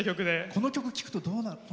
この曲、聴くとどうなる？